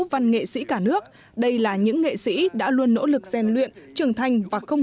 văn nghệ sĩ cả nước đây là những nghệ sĩ đã luôn nỗ lực gian luyện trưởng thành và không